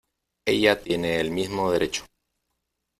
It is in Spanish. ella tiene el mismo derecho.